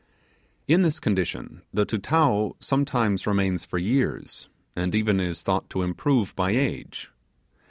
In this condition the Tutao sometimes remains for years, and even is thought to improve by age.